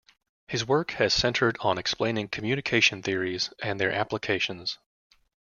His work has centred on explaining communication theories and their applications.